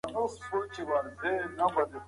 تعلیمي نظام باید عصري سي.